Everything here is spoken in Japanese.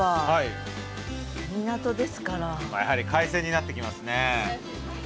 やはり海鮮になってきますね。